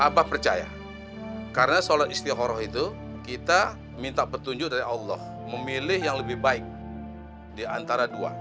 abah percaya karena sholat istiqoroh itu kita minta petunjuk dari allah memilih yang lebih baik di antara dua